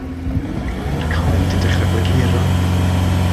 Mae'r coed yn dechrau blaguro.